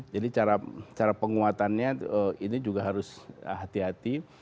jadi cara penguatannya ini juga harus hati hati